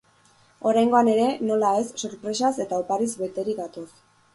Oraingoan ere, nola ez, sorpresaz eta opariz beterik gatoz.